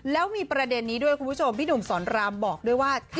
แล้วมีประเด็นนี้ด้วยคุณผู้ชมพี่หนุ่มสอนรามบอกด้วยว่า